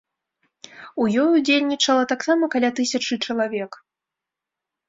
У ёй удзельнічала таксама каля тысячы чалавек.